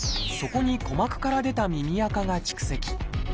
そこに鼓膜から出た耳あかが蓄積。